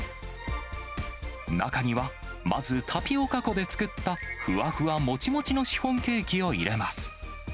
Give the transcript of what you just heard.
中には、まずタピオカ粉で作った、ふわふわもちもちのシフォンケーキを入れます。